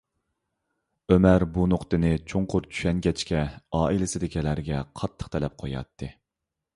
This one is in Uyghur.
ئۆمەر بۇ نۇقتىنى چوڭقۇر چۈشەنگەچكە، ئائىلىسىدىكىلەرگە قاتتىق تەلەپ قوياتتى.